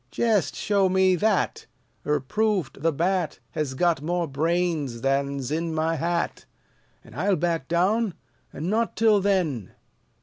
Jest show me that! Ur prove't the bat Hez got more brains than's in my hat, An' I'll back down, an' not till then!"